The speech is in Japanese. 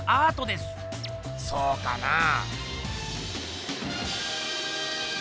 そうかなぁ。